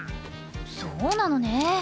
そうなのね。